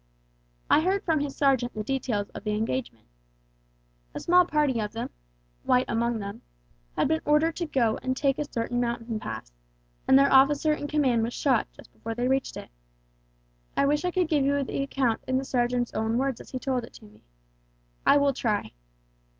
I heard from his sergeant the details of the engagement. A small party of them White among them had been ordered to go and take a certain mountain pass, and their officer in command was shot just before they reached it. I wish I could give you the account in the sergeant's own words as he told it me. I will try.